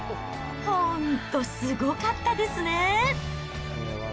本当、すごかったですね。